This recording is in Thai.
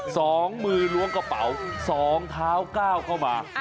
สองมือล้วงกระเป๋าสองเท้าก้าวเข้ามา